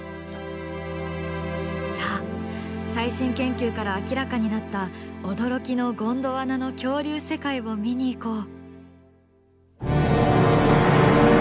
さあ最新研究から明らかになった驚きのゴンドワナの恐竜世界を見に行こう。